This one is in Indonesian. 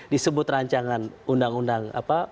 disebut rancangan undang undang apa